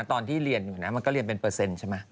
ตอนที่เรียนอยู่นะมันก็เรียนเป็นเปอร์เซ็นต์ใช่ไหม